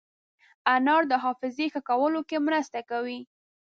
انار د حافظې ښه کولو کې مرسته کوي.